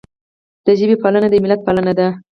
د ژبې پالنه د ملت پالنه ده.